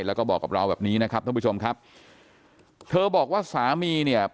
แล้วก็บอกกับเราแบบนี้นะครับท่านผู้ชมครับเธอบอกว่าสามีเนี่ย